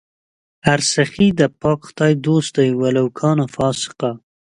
هر سخي د پاک خدای دوست دئ ولو کانَ فاسِقا